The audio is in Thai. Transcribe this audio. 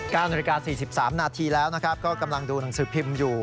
นาฬิกา๔๓นาทีแล้วนะครับก็กำลังดูหนังสือพิมพ์อยู่